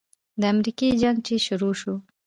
د امريکې جنگ چې شروع سو.